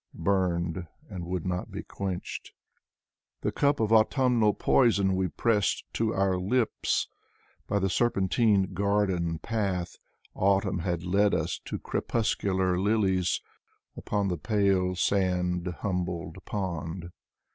Burned and would not be quenched. Georgy Chulkov 125 The cup of autumnal poison We pressed to our lips. By the serpentine garden path Autumn had led us To crepuscular lilies Upon the pale, sand humbled pond.